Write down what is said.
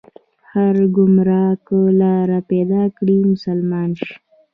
هر ګمراه که لار پيدا کړي، مسلمان شي